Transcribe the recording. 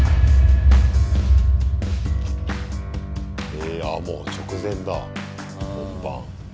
えああもう直前だ本番。